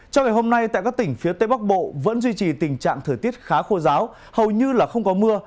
đông bắc bộ vẫn duy trì tình trạng thời tiết khá khô giáo hầu như là không có mưa